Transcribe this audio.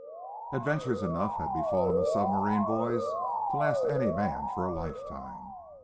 Adventures enough had befallen the submarine boys to last any man for a lifetime.